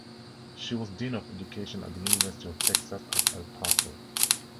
She was dean of education at the University of Texas at El Paso.